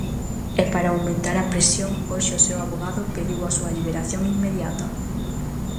E para aumentar a presión, hoxe o seu avogado pediu a súa liberación inmediata.